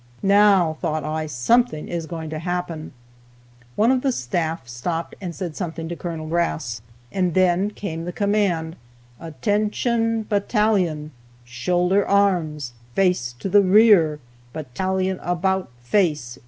"Now," thought I, "something is going to happen." One of the staff stopped and said something to Col. Grass, and then came the command: "Attention, battalion! Shoulder arms! Face to the rear! Battalion, about face!